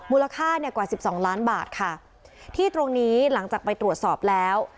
บูรณาค่ายังกว่า๑๒ล้านบาทค่ะที่ตรงนี้หลังจากไปตรวจสอบแล้ว